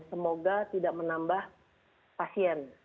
semoga tidak menambah pasien